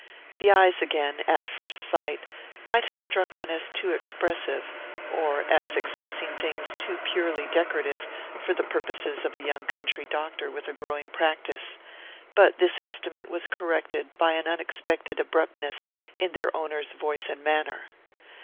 The eyes again, at first sight, might have struck one as too expressive, or as expressing things too purely decorative for the purposes of a young country doctor with a growing practice; but this estimate was corrected by an unexpected abruptness in their owner's voice and manner.